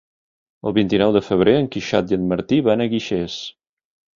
El vint-i-nou de febrer en Quixot i en Martí van a Guixers.